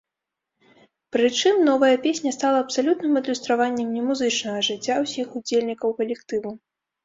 Прычым, новая песня стала абсалютным адлюстраваннем немузычнага жыцця ўсіх удзельнікаў калектыву.